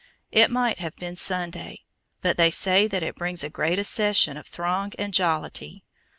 It might have been Sunday; but they say that it brings a great accession of throng and jollity.